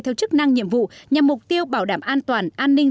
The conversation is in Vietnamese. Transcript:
theo chức năng nhiệm vụ nhằm mục tiêu bảo đảm an toàn an ninh